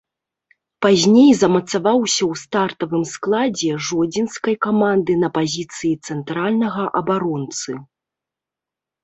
Пазней замацаваўся ў стартавым складзе жодзінскай каманды на пазіцыі цэнтральнага абаронцы.